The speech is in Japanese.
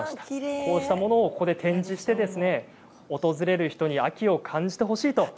こうしたものを展示して訪れる人に秋を感じてほしいと。